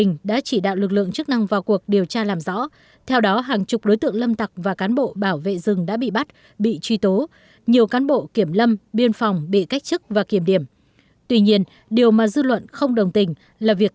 nhưng lâm tặc khai thác hàng tháng trời mà lực lượng chức năng lại không hề hay biết